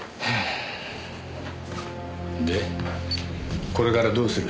でこれからどうする？